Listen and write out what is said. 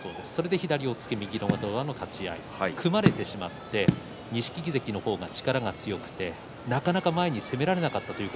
左を押っつけ、そして右の上手組まれてしまって錦木関の方が力が強くてなかなか前に攻められなかった。